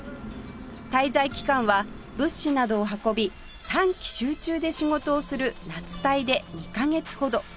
滞在期間は物資などを運び短期集中で仕事をする夏隊で２カ月ほど